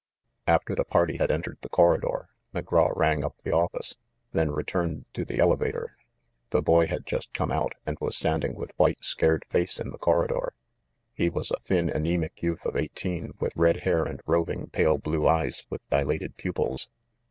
After the party had entered the corridor, McGraw rang up the office, then returned to the elevator. The boy had just come out, and was standing with white scared face in the corridor. He was a thin anemic youth of eighteen, with red hair and roving, pale blue eyes with dilated pupils.